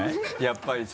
やっぱり。